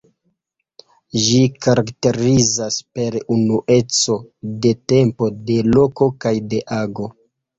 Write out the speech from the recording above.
Ĝi karakterizas per unueco de tempo, de loko kaj de ago.